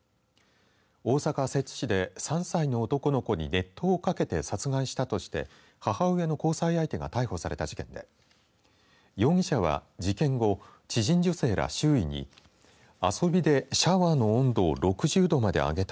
大阪、摂津市で３歳の男の子に熱湯をかけて殺害したとして母親の交際相手が逮捕された事件で容疑者は事件後知人女性ら周囲に遊びでシャワーの温度を６０度まで上げた